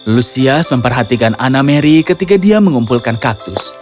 lusias memperhatikan anna mary ketika dia mengumpulkan kaktus